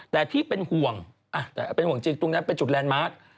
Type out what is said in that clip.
แต่ที่เป็นห่วงแต่เป็นห่วงจริงตรงนั้นเป็นจุดแลนด์มาร์ค